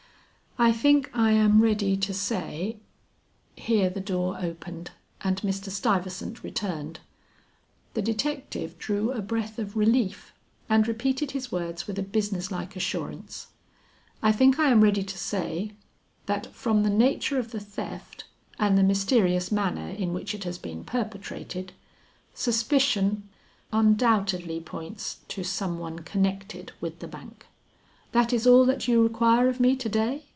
"I think I am ready to say " Here the door opened, and Mr. Stuyvesant returned. The detective drew a breath of relief and repeated his words with a business like assurance. "I think I am ready to say, that from the nature of the theft and the mysterious manner in which it has been perpetrated, suspicion undoubtedly points to some one connected with the bank. That is all that you require of me to day?"